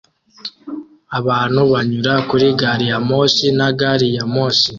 Abantu banyura kuri gari ya moshi na gari ya moshi